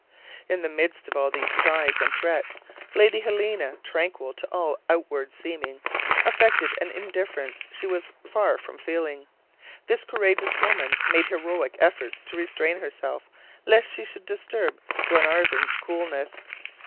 In the midst of all these cries and threats, Lady Helena, tranquil to all outward seeming, affected an indifference she was far from feeling. This courageous woman made heroic efforts to restrain herself, lest she should disturb Glenarvan's coolness.